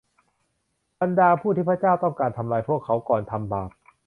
บรรดาผู้ที่พระเจ้าต้องการทำลายพวกเขาก่อนทำบาป